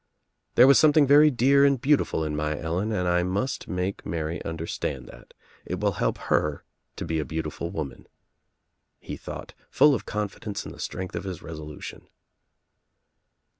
"There was something very dear and beautiful in my Ellen and I must make Mary understand that. It will help her to be a beautiful woman," he thought, full of confidence in the strength of his resolution.